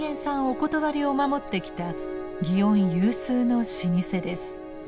お断りを守ってきた祇園有数の老舗です。